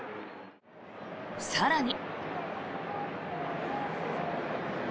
更に。